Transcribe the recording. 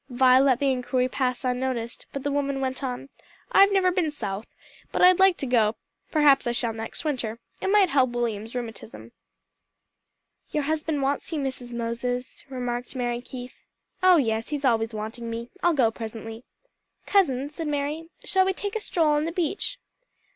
Vi let the inquiry pass unnoticed, but the woman went on, "I've never been South, but I'd like to go; perhaps I shall next winter. It might help William's rheumatism." "Your husband wants you, Mrs. Moses," remarked Mary Keith. "Oh yes; he's always wanting me. I'll go presently." "Cousin," said Mary, "shall we take a stroll on the beach?"